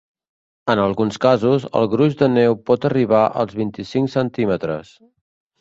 En alguns casos, el gruix de neu pot arribar als vint-i-cinc centímetres.